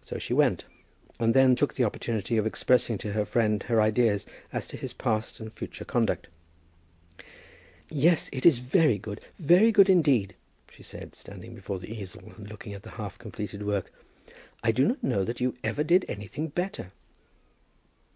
So she went, and then took the opportunity of expressing to her friend her ideas as to his past and future conduct. "Yes, it is very good; very good, indeed," she said, standing before the easel, and looking at the half completed work. "I do not know that you ever did anything better."